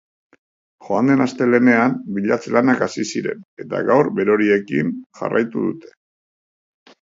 Joan den astelehenean bilatze lanak hasi ziren eta gaur beroriekin jarraitu dute.